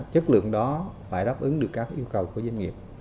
chất lượng đó phải đáp ứng được các yêu cầu của doanh nghiệp